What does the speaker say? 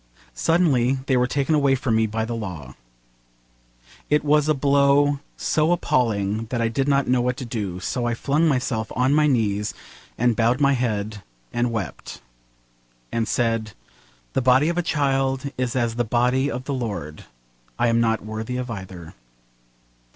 Suddenly they were taken away from me by the law. It was a blow so appalling that I did not know what to do, so I flung myself on my knees, and bowed my head, and wept, and said, 'The body of a child is as the body of the Lord: I am not worthy of either.'